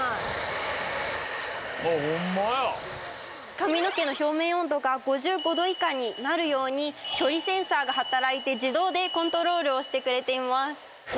髪の毛の表面温度が５５度以下になるように距離センサーが働いて自動でコントロールをしてくれています。